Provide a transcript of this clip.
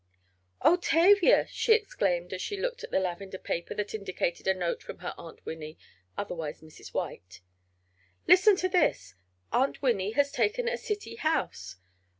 "Oh, Tavia!" she exclaimed, as she looked at the lavender paper that indicated a note from her Aunt Winnie, otherwise Mrs. White. "Listen to this. Aunt Winnie has taken a city house.